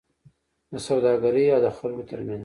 د سوداګرۍاو د خلکو ترمنځ